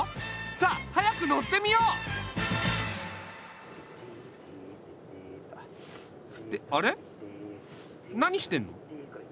さあ早く乗ってみよう！ってあれ何してんの？